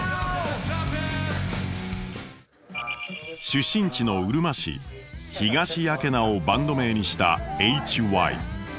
出身地のうるま市東屋慶名をバンド名にしたＨＹ。